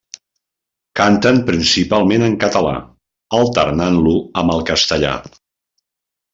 Canten principalment en català, alternant-lo amb el castellà.